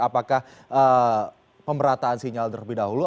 apakah pemberataan sinyal lebih dahulu